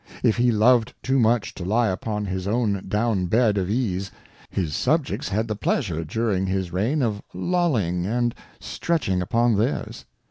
If he loved too much to lie upon his own Down bed of Ease, his Subjects had the Pleasure, during his Reign, of lolling and stretching upon theirs.